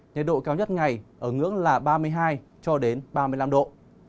nhiệt độ cao nhất ngày ở ngưỡng là ba mươi hai cho đến ba mươi năm độ